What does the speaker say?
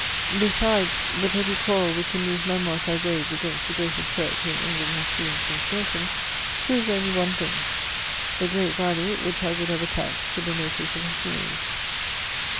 Besides, the petty quarrel which in these Memoirs I wage against the greatest poet whom England has seen since Milton, proves only one thing : the great value which I would have attached to the notice of his muse.